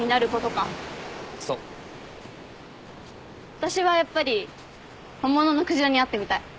私はやっぱり本物のクジラに会ってみたい。